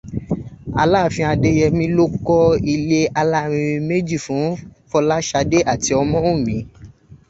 Aláàfin Adéyẹmí ló kọ́ ilé alárinrin méjì fún Fọláshadé ati Ọmọ́wùnmí